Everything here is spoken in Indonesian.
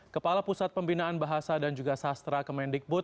kepala pusat pembinaan bahasa dan juga sastra kemendikbud